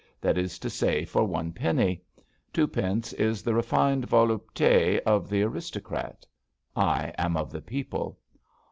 That is to say for One penny. Two pence is the refined volupte of the Aristo crat. I am of the people.